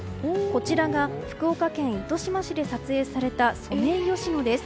こちらが福岡県糸島市で撮影されたソメイヨシノです。